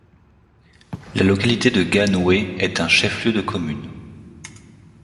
La localité de Ganhoué est un chef-lieu de commune.